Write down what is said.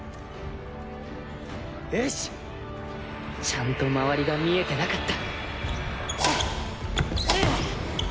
ちゃんと周りが見えてなかったうっ！